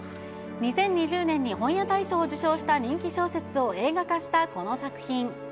２０２０年に本屋大賞を受賞した人気小説を映画化したこの作品。